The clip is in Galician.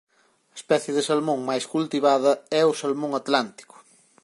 A especie de salmón máis cultivada e o salmón atlántico.